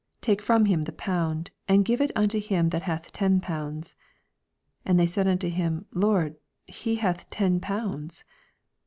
Take from him the pound, and give U t6 him that hath ten pounds. 25 (And they said unto him, Lord, he hath ten pounds.)